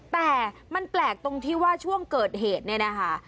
แต่มันแปลกตรงที่ว่าช่วงเกิดเหตุเนี่ยนะคะ